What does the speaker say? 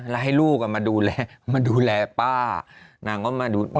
แล้วให้ลูกอ่ะมาดูแลมาดูแลป้านางก็มาดู